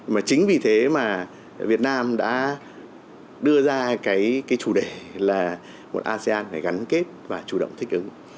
mà chính vì thế mà việt nam đã đưa ra cái chủ đề là một asean phải gắn kết và chủ động thích ứng